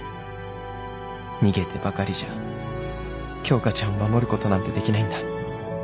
逃げてばかりじゃ京花ちゃんを守ることなんてできないんだ